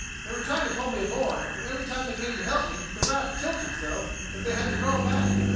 They were trying to pull me aboard, but every time they came to help me the raft tilted so that they had to crawl back."